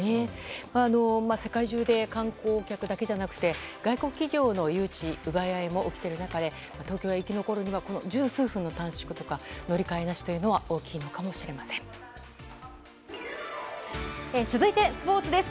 世界中で観光客だけじゃなくて外国企業の誘致奪い合いも起きている中で東京が生き残るにはこの十数分の短縮とか乗り換えなしは続いてスポーツです。